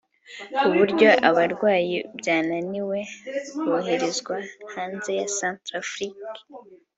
ku buryo abarwayi byananiwe boherezwa hanze ya Centrafrique